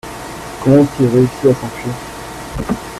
Comment ont-ils réussi à s'enfuir ?